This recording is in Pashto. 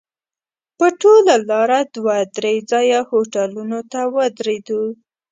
په ټوله لاره دوه درې ځایه هوټلونو ته ودرېدو.